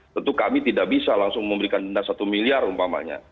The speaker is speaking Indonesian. tentu kami tidak bisa langsung memberikan denda satu miliar umpamanya